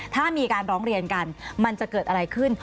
ถ้ามีการร้องเรียนกันมันจะเกิดอะไรขึ้น